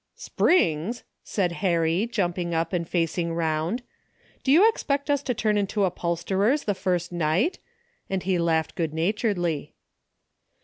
" Springs !" said Harry jumping up and facing round. " Do you expect us to turn into upholsterers the first night ?" and he laughed good naturedly.